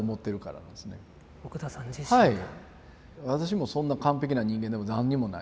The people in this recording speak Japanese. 私もそんな完璧な人間でも何にもない。